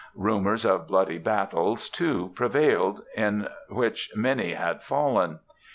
Rumours of bloody battles, too, prevailed, in which many had fallen.